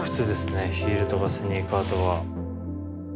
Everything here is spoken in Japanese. ヒールとかスニーカーとか。